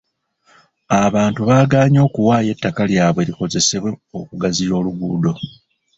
Abantu baagaanye okuwaayo ettaka lyabwe likozesebwe okugaziya oluguudo.